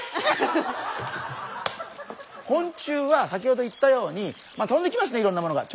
昆虫は先ほど言ったように飛んできますねいろんなものが。